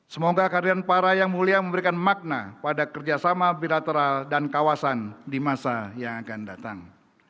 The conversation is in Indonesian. semoga kardian para yang mulia memberikan makna pada kerjasama bilateral dan kawasan di masa yang akan datang